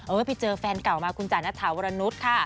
เออไปเจอแฟนเก่ามาคุณจานทะวรรณุฑค่ะ